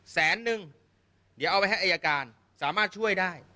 แสนนึงเดี๋ยวเอาไปให้อายการสามารถช่วยได้